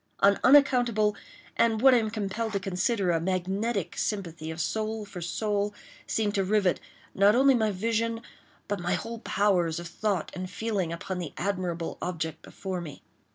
An unaccountable, and what I am compelled to consider a magnetic, sympathy of soul for soul, seemed to rivet, not only my vision, but my whole powers of thought and feeling, upon the admirable object before me.